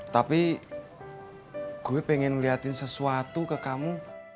tapi gue pengen ngeliatin sesuatu ke kamu